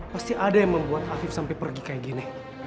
pasti ada yang membuat afif sampai pergi kayak gini